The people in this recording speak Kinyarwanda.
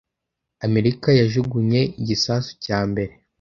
amerika yajugunye igisasu cya mbere